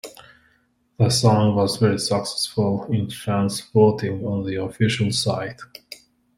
The song was very successful in fans' voting on the official site.